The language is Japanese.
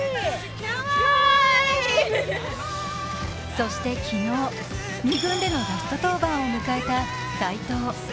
そして昨日、２軍でのラスト登板を迎えた斎藤。